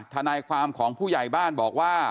ทนายความของผู้ใหญ่บ้านบอกว่า